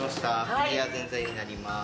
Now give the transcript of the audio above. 富士家ぜんざいになります。